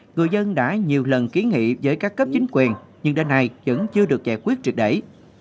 người dân đã nhiều lần kiến nghị với các cấp chính quyền nhưng đây này vẫn chưa được giải quyết trực đẩy